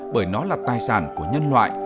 bởi nó là tài sản của nhân loại